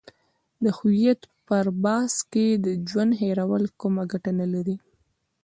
د هویت پر بحث کې ژوند هیرول کومه ګټه نه لري.